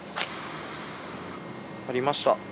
ありました。